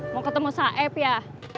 mau ketemu saeb ya